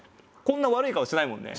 こんな悪い顔してないもんね。